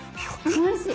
おいしい。